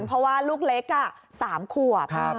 เพราะว่าลูกเล็ก๓ขวบ